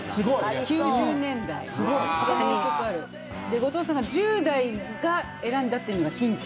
で後藤さんが「１０代が選んだ」っていうのがヒント。